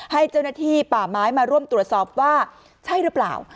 ให้เจ้าหน้าที่ป่าไม้มาร่วมตรวจสอบว่าใช่หรือเปล่า